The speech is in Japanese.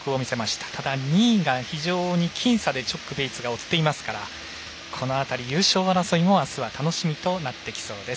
ただ、２位が非常に僅差でチョック、ベイツが追っていますからこの辺り、優勝争いもあすは楽しみになってきます。